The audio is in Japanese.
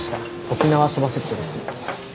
沖縄そばセットです。